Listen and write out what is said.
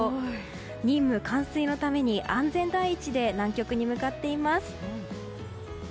任務完遂のために安全第一で南極に向かっています。